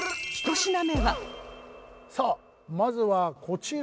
さあまずはこちら。